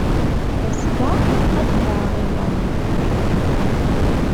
Azekka ad hedreɣ i Tom.